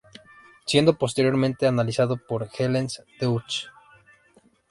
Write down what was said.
Siendo posteriormente analizado por Helene Deutsch.